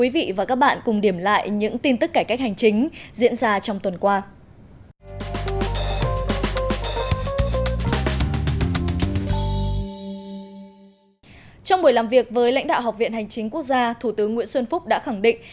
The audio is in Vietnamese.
với lãnh đạo học viện hành chính quốc gia thủ tướng nguyễn xuân phúc đã khẳng định